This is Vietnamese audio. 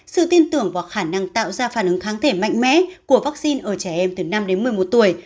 sự tin tưởng vào khả năng tạo ra phản ứng kháng thể mạnh mẽ của vaccine ở trẻ em từ năm đến một mươi một tuổi